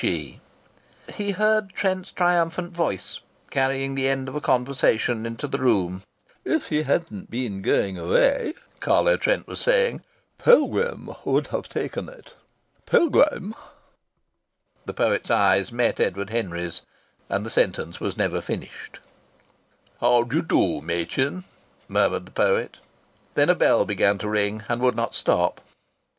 He heard Trent's triumphant voice, carrying the end of a conversation into the room: "If he hadn't been going away," Carlo Trent was saying, "Pilgrim would have taken it. Pilgrim " The poet's eyes met Edward Henry's, and the sentence was never finished. "How d'ye do, Machin?" murmured the poet. Then a bell began to ring and would not stop.